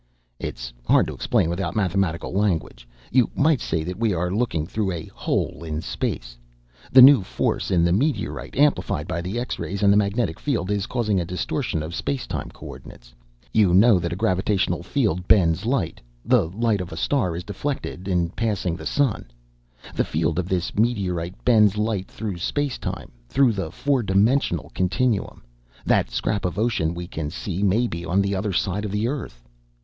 "It's hard to explain without mathematical language. You might say that we are looking through a hole in space. The new force in the meteorite, amplified by the X rays and the magnetic field, is causing a distortion of space time coordinates. You know that a gravitational field bends light; the light of a star is deflected in passing the sun. The field of this meteorite bends light through space time, through the four dimensional continuum. That scrap of ocean we can see may be on the other side of the earth."